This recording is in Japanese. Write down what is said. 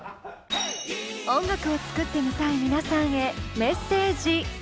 音楽を作ってみたい皆さんへメッセージ。